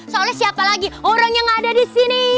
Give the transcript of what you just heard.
soalnya siapa lagi orang yang ada disini